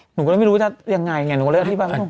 หนูก็เลยไม่รู้จะยังไงหนูก็เลือกที่บ้านพวก